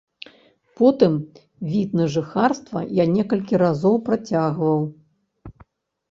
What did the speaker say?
Потым від на жыхарства я некалькі разоў працягваў.